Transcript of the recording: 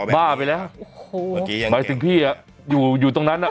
บ้าไปแล้วโอ้โหเมื่อกี้ยังเก่งหมายถึงพี่อ่ะอยู่อยู่ตรงนั้นอ่ะ